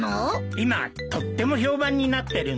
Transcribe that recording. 今とっても評判になってるんだ。